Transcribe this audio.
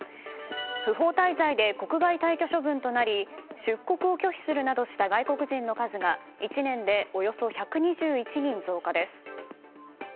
不法滞在で国外退去処分となり出国を拒否するなどした外国人の数が１年でおよそ１２１人増加です。